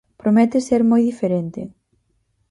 Promete ser moi diferente.